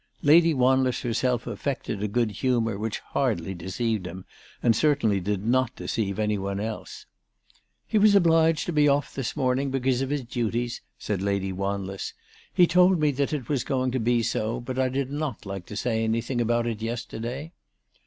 Lady Wanless herself affected a good humour which hardly deceived him, and certainly did not deceive anyone else. " He was obliged to be off this morning, because ALICE DUGDALE. 393 of his duties," said Lady Wanless. "He told me that it was to be so, but I did not like to say anything about it yesterday."